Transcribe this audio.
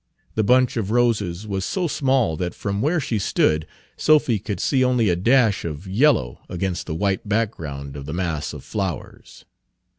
The bunch of roses was so small that from where she stood Sophy could see only a dash of yellow against the white background of the mass of flowers.